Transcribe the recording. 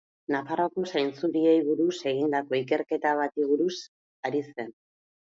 Nafarroako zainzuriei buruz egindako ikerketa bati buruz ari zen.